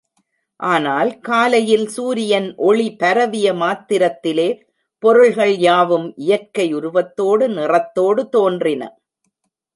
ஆனால் காலையில் சூரியன் ஒளி பரவிய மாத்திரத்திலே பொருள்கள் யாவும் இயற்கை உருவத்தோடு, நிறத்தோடு தோன்றின.